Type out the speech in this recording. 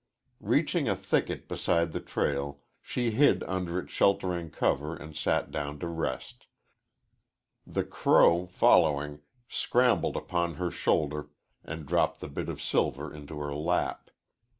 Reaching a thicket beside the trail, she hid under its sheltering cover and sat down to rest. The crow, following, scrambled upon her shoulder and dropped the bit of silver into her lap.